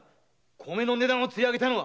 米の値段をつり上げたのは。